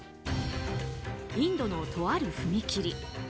インドのとある踏切。